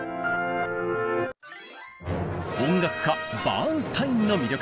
音楽家バーンスタインの魅力。